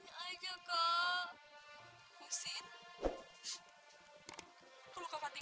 perlu kematian lagi